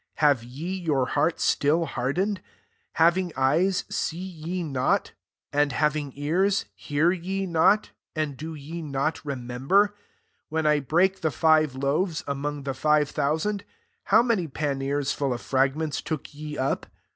have ye your heart [still] hard ened F 18 Having eyes, see ye MARK IX. 87 not ? and haying ears, hear ye not ? and do ye not remember ? 19 When 1 brake the five loaves among the five thousand, how many panniers full of frag ments took ye up